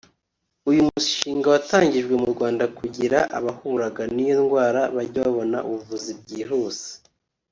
uyu mushinga watangijwe mu Rwanda kugira abahuraga n’iyo ndwara bajye babona ubuvuzi byihuse